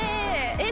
えっ？